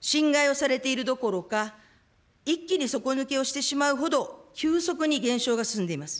侵害をされているどころか、一気に底抜けをしてしまうほど、急速に減少が進んでいます。